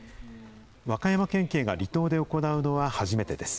和歌山県警が離島で行うのは初めてです。